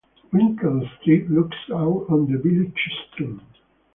Winkle Street looks out on the village stream.